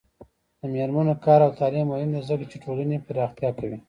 د میرمنو کار او تعلیم مهم دی ځکه چې ټولنې پراختیا کوي.